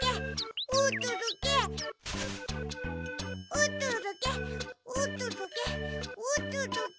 おとどけおとどけおとどけ。